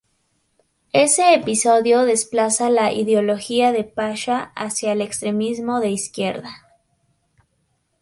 Ese episodio desplaza la ideología de Pasha hacia el extremismo de izquierda.